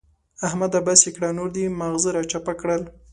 احمده! بس يې کړه نور دې ماغزه را چپه کړل.